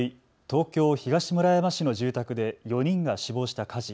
東京東村山市の住宅で４人が死亡した火事。